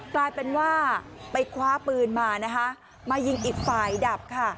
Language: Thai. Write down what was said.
กลายเป็นว่าไปคว้าปืนมานะคะมายิงอีกฝ่ายดับค่ะ